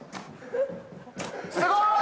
すごい！